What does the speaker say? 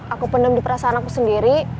aku penem di perasaan aku sendiri